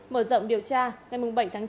mở rộng điều tra ngày bảy tháng chín